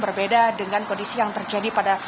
berbeda dengan kondisi yang terjadi pada